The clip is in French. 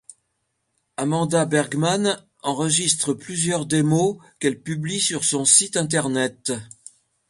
Amanda Bergman enregistre plusieurs démos qu’elle publie sur son site internet.